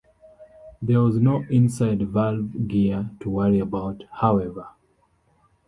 There was no inside valve gear to worry about, however.